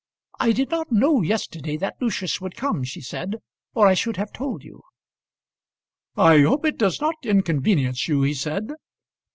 "I did not know yesterday that Lucius would come," she said, "or I should have told you." "I hope it does not inconvenience you," he said.